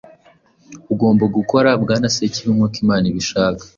Ugomba gukora, Bwana Sekibi, nkuko Imana ibishaka.